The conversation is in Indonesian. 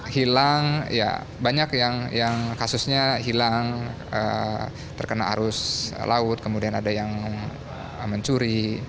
hilang ya banyak yang kasusnya hilang terkena arus laut kemudian ada yang mencuri